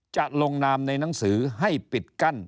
จะลงนามในหนังสือให้ปิดกั้น